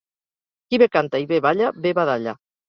Qui bé canta i bé balla, bé badalla.